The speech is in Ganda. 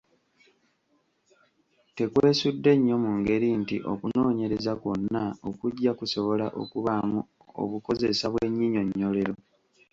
Tekwesudde nnyo mu ngeri nti okunoonyereza kwonna okuggya kusobola okubaamu obukozesa bw’ennyinyonnyolero.